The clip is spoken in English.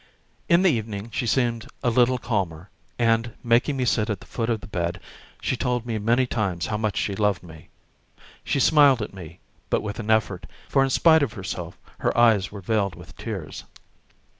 In the evening she seemed a little calmer, and, making me sit at the foot of the bed, she told me many times how much she loved me. She smiled at me, but with an effort, for in spite of herself her eyes were veiled with tears.